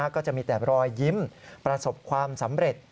ก็จะมีแต่รอยยิ้มประสบความสำเร็จ